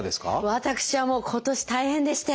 私はもう今年大変でして。